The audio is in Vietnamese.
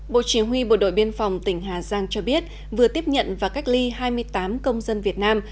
bộ chỉ huy bộ đội biên phòng tỉnh hà giang cho biết vừa tiếp nhận và cách ly hai mươi tám công dân việt nam